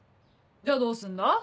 じゃあどうすんだ？